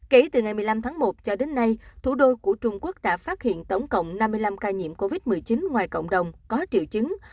kể từ ngày một mươi năm tháng một cho đến nay thủ đô của trung quốc đã phát hiện tổng cộng năm mươi năm ca nhiễm covid một mươi chín ngoài cộng đồng có triệu chứng